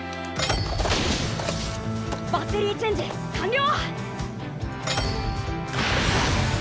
バッテリーチェンジ完了！